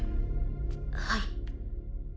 はい。